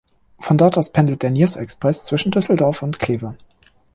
Von dort aus pendelt der Niers-Express zwischen Düsseldorf und Kleve.